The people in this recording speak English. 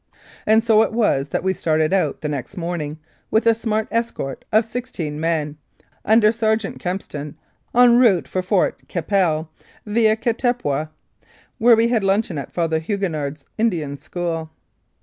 And so it was that we started out the next morning with a smart escort of sixteen men, under Sergeant Kempston, on route for Fort Qu'Appelle via Katepwa, where we had luncheon at Father Hugon nard's Indian School.